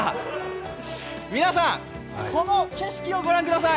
皆さん、この景色をご覧ください。